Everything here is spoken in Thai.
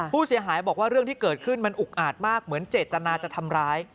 ผู้เสียหายบอกว่าเรื่องที่เกิดขึ้นมันอุกอาจมากเหมือนเจตนาจะทำร้าย